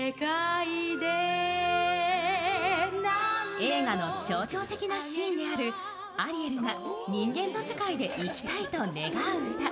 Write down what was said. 映画の象徴的なシーンであるアリエルが人間の世界で生きたいと願う歌。